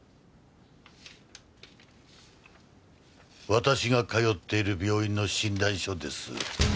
私が通っている病院の診断書です。